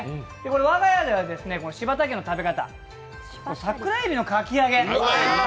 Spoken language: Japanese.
我が家では柴田家の食べ方、桜海老のかき揚げ